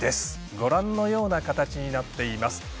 ご覧のような形になっています。